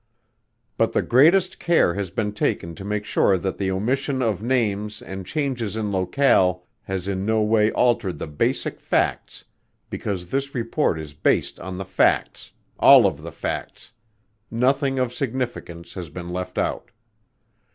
But the greatest care has been taken to make sure that the omission of names and changes in locale has in no way altered the basic facts because this report is based on the facts all of the facts nothing of significance has been left out.